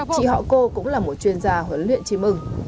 chị họ cô cũng là một chuyên gia huấn luyện chim ưng